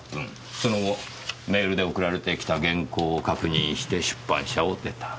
その後メールで送られてきた原稿を確認して出版社を出た。